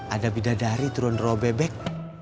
ada bidadari turun robek bek